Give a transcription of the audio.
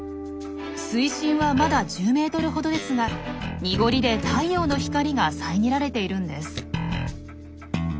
水深はまだ１０ｍほどですが濁りで太陽の光が遮られているんです。